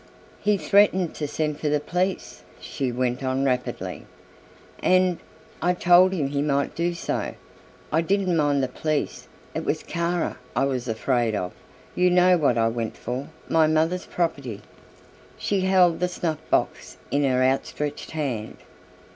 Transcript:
"He threatened to send for the police," she went on rapidly, "and I told him he might do so. I didn't mind the police it was Kara I was afraid of. You know what I went for, my mother's property." She held the snuff box in her outstretched hand.